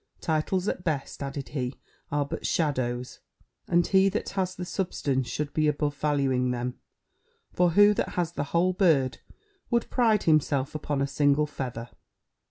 Titles at best," added he, "are but shadows; and he that has the substance should be above valuing them; for who that has the whole bird, would pride himself upon a single feather?"